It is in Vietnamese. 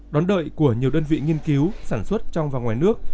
đón đợi của nhiều đơn vị nghiên cứu sản xuất trong và ngoài nước